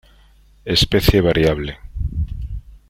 Especie variable.